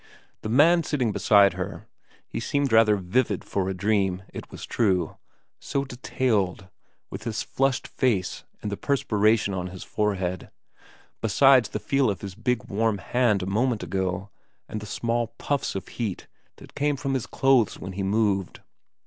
The man sitting beside her, he seemed rather vivid for a dream, it was true ; so detailed, with his flushed face and the perspiration on his forehead, besides the feel of his big warm hand a moment ago and the small puffs of heat that came from his clothes when he moved.